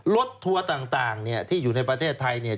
รถทัวร์ต่างที่อยู่ในประเทศไทย